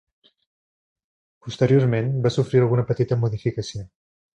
Posteriorment va sofrir alguna petita modificació.